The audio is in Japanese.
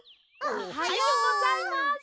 おはようございます。